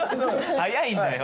早いんだよ。